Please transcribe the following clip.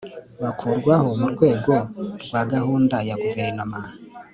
bukurwaho mu rwego rwa gahunda ya guverinoma